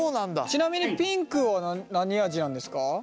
ちなみにピンクは何味なんですか？